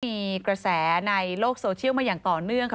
มีกระแสในโลกโซเชียลมาอย่างต่อเนื่องค่ะ